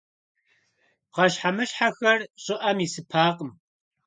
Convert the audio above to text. Пхъэщхьэмыщхьэхэр щӏыӏэм исыпакъым.